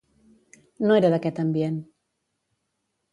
No era d’aquest ambient.